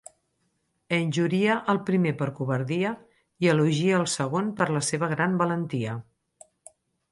Injuria el primer per covardia i elogia el segon per la seva gran valentia.